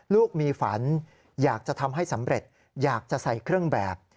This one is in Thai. ลูกมีฝันอยากจะทำให้สำเร็จอยากจะใส่เครื่องแบบ